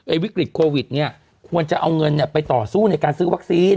วิกฤตโควิดเนี่ยควรจะเอาเงินไปต่อสู้ในการซื้อวัคซีน